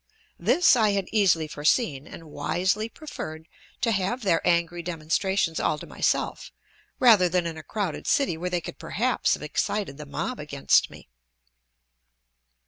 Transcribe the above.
This I had easily foreseen, and wisely preferred to have their angry demonstrations all to myself, rather than in a crowded city where they could perhaps have excited the mob against me.